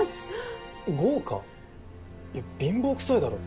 いや貧乏くさいだろ。